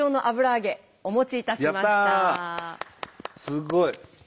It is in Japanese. すごい！